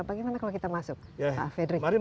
bagaimana kalau kita masuk pak frederick